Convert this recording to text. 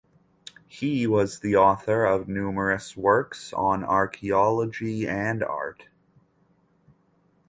He was the author of numerous works on archaeology and art.